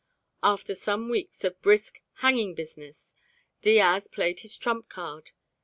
After some weeks of brisk hanging business, Diaz played his trump card.